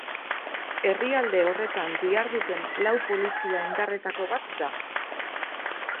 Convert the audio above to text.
Herrialde horretan diharduten lau polizia indarretako bat da.